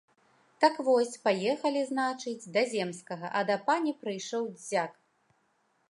Так вось, паехалі, значыць, да земскага, а да пані прыйшоў дзяк.